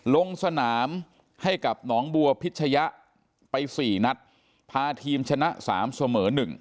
ลงสนามให้กับหนองบัวพิชยะไป๔นัดพาทีมชนะ๓เสมอ๑